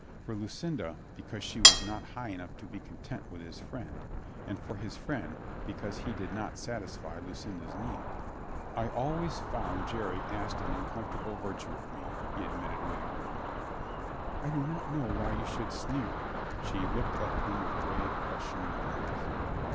For Lucinda because she was not high enough to be content with his friend; for his friend because he did not satisfy Lucinda's need. "I always found Jerry asked an LUCINDA WEEPS 201 uncomfortable virtue of me," he .admitted with a grin. "I do not know why you should sneer?" she looked at him with grave, questioning eyes.